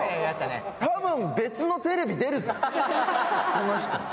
この人。